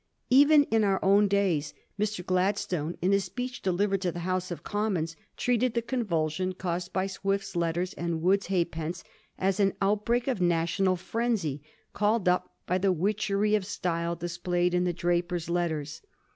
Even in our own days, Mr. Gladstone, in a speech delivered to the House of Commons, treated the convulsion caused by Swift's letters and Wood's balance as an outbreak of national firenzy, called up by the witchery of style displayed in the * Drapier's Letters.'